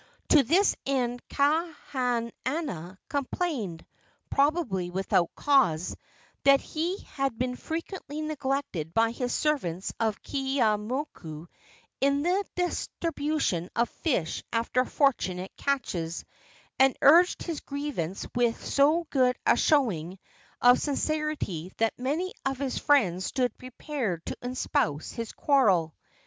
To this end Kahanana complained probably without cause that he had been frequently neglected by the servants of Keeaumoku in the distribution of fish after fortunate catches, and urged his grievance with so good a showing of sincerity that many of his friends stood prepared to espouse his quarrel.